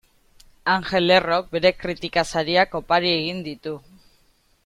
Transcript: Angel Errok bere kritika sariak opari egin ditu.